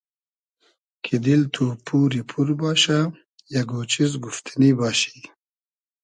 کی دیل تو پوری پور باشۂ اگۉ چیز گوفتئنی باشی